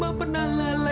aku sudah bs anda